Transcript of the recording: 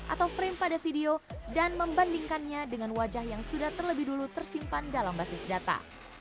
atau frame pada video dan membandingkannya dengan wajah yang sudah terlebih dulu tersimpan dalam basis data